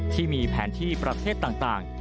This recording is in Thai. ที่มีแผนที่ประเทศต่าง